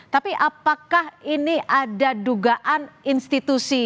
tapi apakah ini ada dugaan institusi